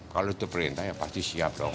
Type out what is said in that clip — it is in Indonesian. kalau terperintah pasti siap dong